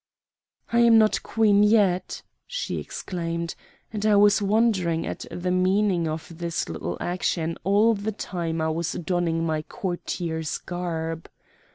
"I am not Queen yet," she exclaimed; and I was wondering at the meaning of this little action all the time I was donning my courtier's garb.